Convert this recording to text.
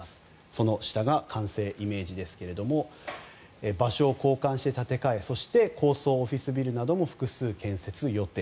その下が、完成イメージですが場所を交換して建て替えそして、高層オフィスビルなども複数建設予定。